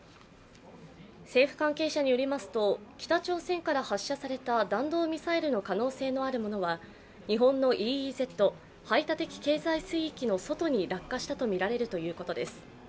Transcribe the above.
政府関係者によりますと北朝鮮から発射された弾道ミサイルの可能性のあるものは日本のＥＥＺ＝排他的経済水域の外に落下したとみられるということです。